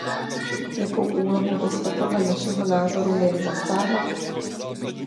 Jakou úlohu byste podle našeho názoru měli zastávat?